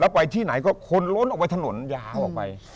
และไปที่ไหนก็ขนโล้นพวกเราออกไป